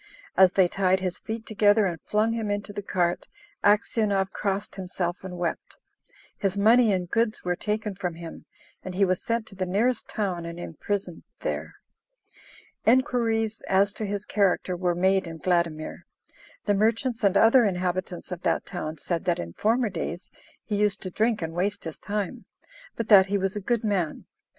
As they tied his feet together and flung him into the cart, Aksionov crossed himself and wept. His money and goods were taken from him, and he was sent to the nearest town and imprisoned there. Enquiries as to his character were made in Vladimir. The merchants and other inhabitants of that town said that in former days he used to drink and waste his time, but that he was a good man.